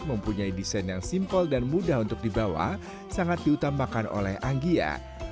mempunyai desain yang simpel dan mudah untuk dibawa sangat diutamakan oleh anggia